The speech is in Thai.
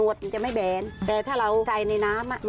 โอ๊ยอย่าวิดน้ำอย่าวิดน้ำ